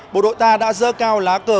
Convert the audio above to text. bộ đội ta đã dơ cao lá cờ